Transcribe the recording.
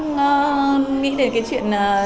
nghĩ đến cái chuyện